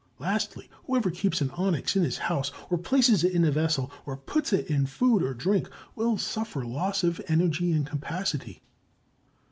Lastly, whoever keeps an onyx in his house, or places it in a vessel, or puts it in food or drink, will suffer loss of energy and capacity.